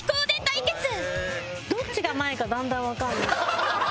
どっちが前かだんだんわかんない。